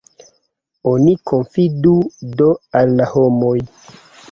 Oni konfidu do al la homoj!